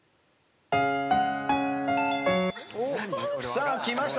さあきました。